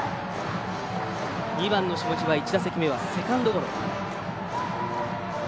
２番の下地は１打席目セカンドゴロ。